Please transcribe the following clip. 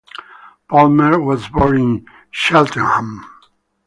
Palmer was born in Cheltenham.